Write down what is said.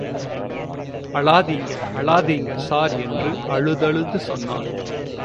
அழாதிங்க... அழாதிங்க... சார் என்று அழுதழுது சொன்னான்.